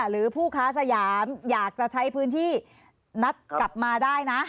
หรือผู้ค้าสยามอยากจะใช้พื้นที่นัดกลับมาได้นะ